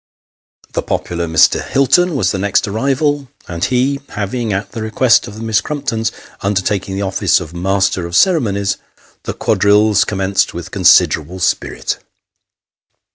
The popular Mr. Hilton was the next arrival ; and ho having, at the request of the Miss Crumptons, undertaken the office of Master of the Ceremonies, the quadrilles commenced with considerable spirit.